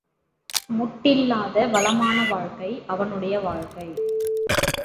முட்டில்லாத வளமான வாழ்க்கை அவனுடைய வாழ்க்கை.